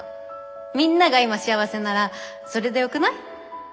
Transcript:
みんなが今幸せならそれでよくない？